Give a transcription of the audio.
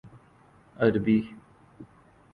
عربی